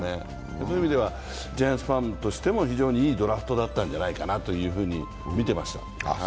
そういう意味ではジャイアンツファンとしても非常にいいドラフトだったんじゃないかと思って見てました。